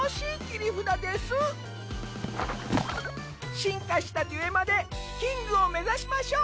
進化したデュエマでキングを目指しましょう。